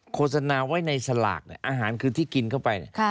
โฆษณาไว้ในสลากอาหารคือที่กินเข้าไป